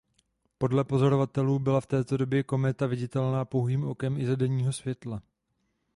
Podle pozorovatelů byla v této době kometa viditelná pouhým okem i za denního světla.